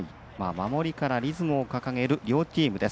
守りからリズムを掲げる両チームです。